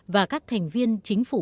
và các thành viên chính phủ mới